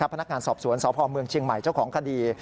พนักงานสอบสวนสพเมืองเชียงใหม่เจ้าของคดี